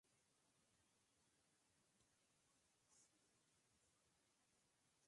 Generalmente subsidiados, gratuitos en su totalidad para niños y adolescentes.